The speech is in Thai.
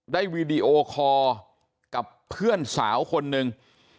วีดีโอคอร์กับเพื่อนสาวคนหนึ่ง